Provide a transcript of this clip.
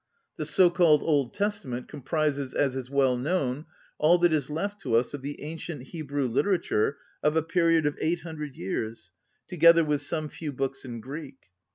The so called Old Testament com prises, as is well known, all that is left to us of the ancient Hebrew lit erature of a period of eight hundred years, together with some few books in Greek.